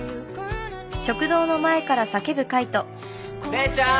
・姉ちゃん！